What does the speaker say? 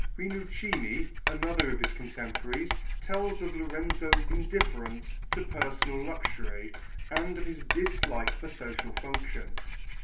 Rinuccini, another of his contemporaries, tells us of Lorenzo's indifference to personal luxury and of his dislike for society functions.